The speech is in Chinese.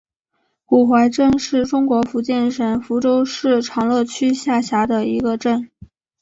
古槐镇是中国福建省福州市长乐区下辖的一个镇。